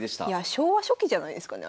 昭和初期じゃないですかね